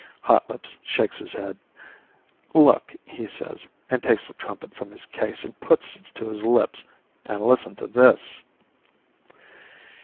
Hotlips shakes his head. "Look," he says and takes the trumpet from his case and puts it to his lips, "and listen to this."